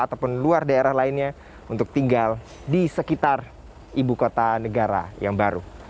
ataupun luar daerah lainnya untuk tinggal di sekitar ibu kota negara yang baru